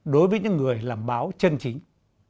đối với những người làm báo chân chính